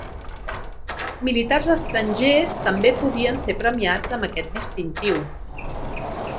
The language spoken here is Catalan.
Militars estrangers també podien ser premiats amb aquest distintiu.